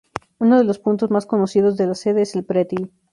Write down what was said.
Uno de los puntos más conocidos de la sede es el pretil.